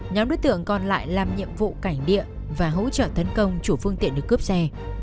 nhóm đối tượng còn lại làm nhiệm vụ cảnh địa và hỗ trợ tấn công chủ phương tiện được cướp xe